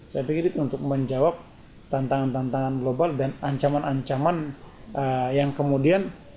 saya pikir itu untuk menjawab tantangan tantangan global dan ancaman ancaman yang kemudian